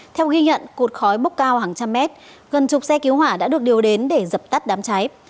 theo ghi nhận cột khói bốc cao hàng trăm mét gần chục xe cứu hỏa đã được điều đến để dập tắt đám cháy